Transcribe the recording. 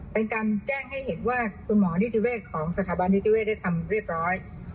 เป็นการแจ้งให้เห็นว่าคุณหมอนิติเวศของสถาบันนิติเวศได้ทำเรียบร้อย